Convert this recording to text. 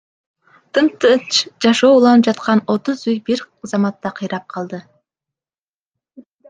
Тыптынч жашоо уланып жаткан отуз үй бир заматта кыйрап калды.